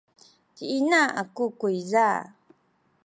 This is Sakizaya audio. ci ina aku kuyza